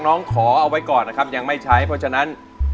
ขอเอาไว้ก่อนนะครับยังไม่ใช้เพราะฉะนั้น